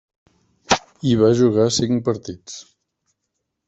Hi va jugar cinc partits.